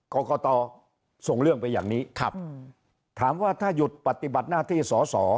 กรกตส่งเรื่องไปอย่างนี้ครับถามว่าถ้าหยุดปฏิบัติหน้าที่สอสอ